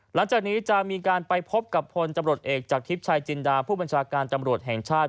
หลังจากนี้จะมีการไปพบกับพลตำรวจเอกจากทิพย์ชายจินดาผู้บัญชาการตำรวจแห่งชาติ